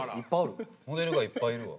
モデルがいっぱいいるわ。